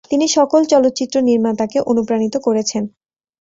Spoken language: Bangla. তিনি সকল চলচ্চিত্র নির্মাতাকে অনুপ্রাণিত করেছেন।